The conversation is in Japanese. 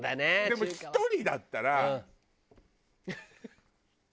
でも１人だったら。